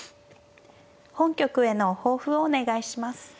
本局への抱負をお願いします。